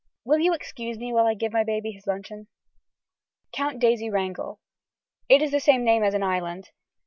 Will you excuse me while I give my baby his luncheon. (Count Daisy Wrangel.) It is the same name as an island.